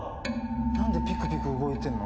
何でピクピク動いてんの？